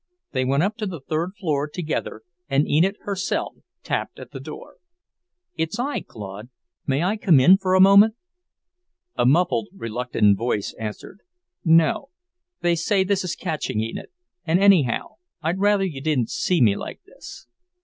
They went up to the third floor together, and Enid herself tapped at the door. "It's I, Claude. May I come in for a moment?" A muffled, reluctant voice answered. "No. They say this is catching, Enid. And anyhow, I'd rather you didn't see me like this."